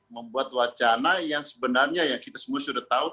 membuat wacana yang sebenarnya ya kita semua sudah tahu